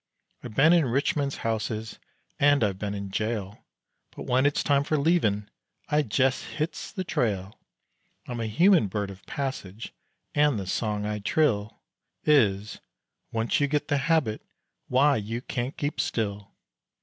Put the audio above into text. I've been in rich men's houses and I've been in jail, But when it's time for leavin', I jes hits the trail; I'm a human bird of passage, and the song I trill, Is, "Once you git the habit, why, you can't keep still."